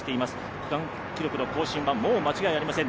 区間記録の更新は、もう間違いありません。